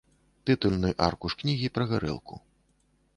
Тытульны аркуш кнігі пра гарэлку.